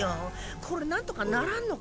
これ何とかならんのか？